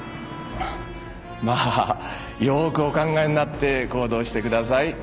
まあよくお考えになって行動してください。